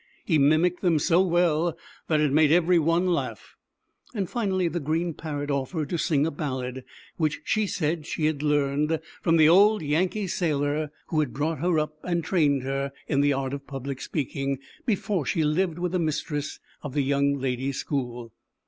He mimicked them so well that it made every one laugh. Finally the green Parrot offered to sing a ballad, which she said she had learned irom the old Yankee Sailor o 220 ZAUBERLINDA, THE WISE WITCH. had brought her up and trained her in the art of public speaking, before she lived with the mistress of the Young Ladies' School.